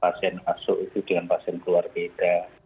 pasien masuk itu dengan pasien keluar beda